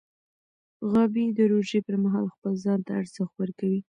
غابي د روژې پر مهال خپل ځان ته ارزښت ورکوي.